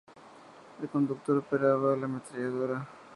El conductor operaba la ametralladora.